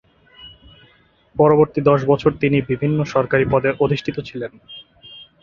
পরবর্তী দশ বছর তিনি বিভিন্ন সরকারি পদে অধিষ্ঠিত ছিলেন।